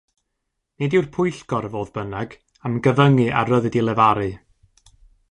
Nid yw'r pwyllgor, fodd bynnag, am gyfyngu ar ryddid i lefaru.